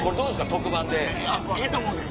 特番で。